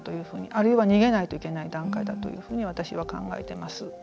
あるいは逃げないといけない段階だと私は考えています。